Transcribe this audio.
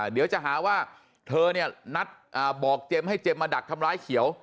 เดี๋ยวจะหาว่าเธอเนี่ยนัดบอกเจมส์ให้เจมส์มาดักทำร้ายเขียว